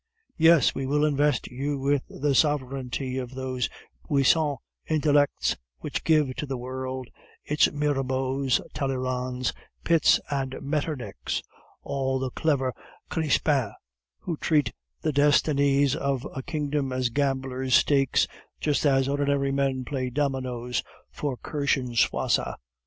Yes, we will invest you with the sovereignty of those puissant intellects which give to the world its Mirabeaus, Talleyrands, Pitts, and Metternichs all the clever Crispins who treat the destinies of a kingdom as gamblers' stakes, just as ordinary men play dominoes for kirschenwasser.